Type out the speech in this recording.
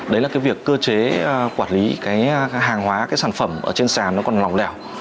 đấy là cái việc cơ chế quản lý cái hàng hóa cái sản phẩm ở trên sàn nó còn lòng lẻo